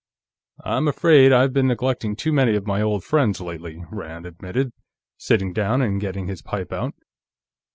"I'm afraid I've been neglecting too many of my old friends lately," Rand admitted, sitting down and getting his pipe out.